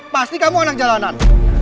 pasti kamu anak jalanan